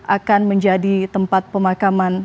akan menjadi tempat pemakaman